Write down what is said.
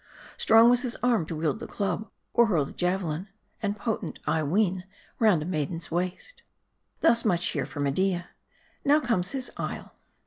Strong was his arm to wield the club, or hurl the javelin ; and potent, I ween, round a maiden's waist. Thus much here for Media. Now comes his isle.